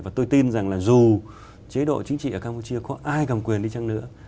và tôi tin rằng là dù chế độ chính trị ở campuchia có ai cầm quyền đi chăng nữa